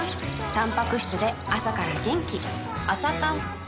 たんぱく質で朝から元気